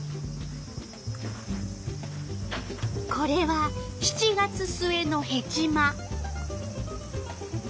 これは７月末のヘチマ。